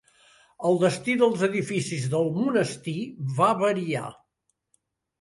El destí dels edificis del monestir va variar.